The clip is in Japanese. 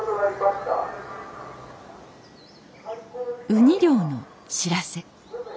ウニ漁の知らせ。